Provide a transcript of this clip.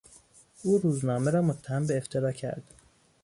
او روزنامه را متهم به افترا کرد.